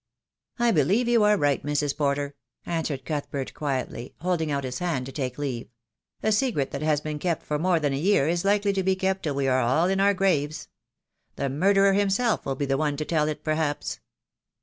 "I believe you are right, Mrs. Porter," answered Cuth bert quietly, holding out his hand to take leave. "A secret that has been kept for more than a year is likely to be kept till we are all in our graves. The murderer himself will be the one to tell it, perhaps.